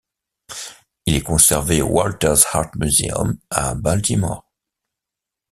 Il est conservé au Walters Art Museum à Baltimore.